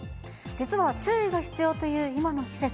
実は注意が必要という今の季節。